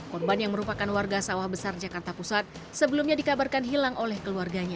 korban yang merupakan warga sawah besar jakarta pusat sebelumnya dikabarkan hilang oleh keluarganya